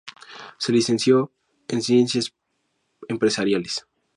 Se licenció en Ciencias Empresariales.